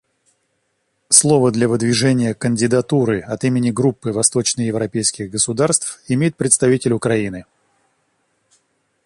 Слово для выдвижения кандидатуры от имени Группы восточноевропейских государств имеет представитель Украины.